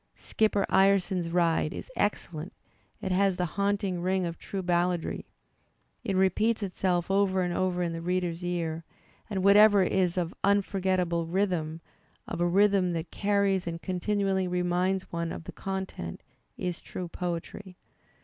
"Skipper Ireson's Ride" is excellent; it has the haunting ring of true balladry; it repeats itself over and over in the reader's ears; and whatever is of unforgettable rhythm, of a rhythm that carries and continually reminds one of the content, is true poetry.